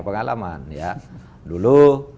pengalaman ya dulu